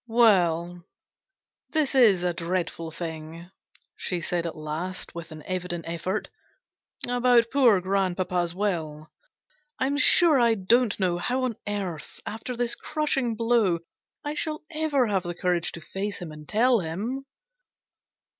" Well, this is a dreadful thing/' she said at last, with an evident effort, " about poor grandpapa's will ! I'm sure I don't know how on earth, after this crushing blow, I shall ever have the courage to face him and tell him!"